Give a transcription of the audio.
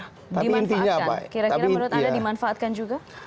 dimanfaatkan kira kira menurut anda dimanfaatkan juga